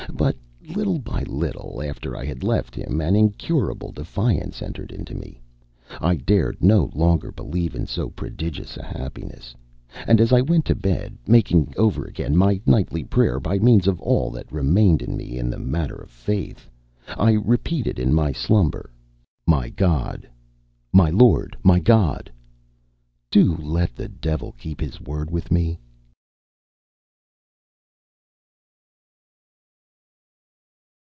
But, little by little, after I had left him, an incurable defiance entered into me; I dared no longer believe in so prodigious a happiness; and as I went to bed, making over again my nightly prayer by means of all that remained in me in the matter of faith, I repeated in my slumber: "My God, my Lord, my God! Do let the Devil keep his word with me!"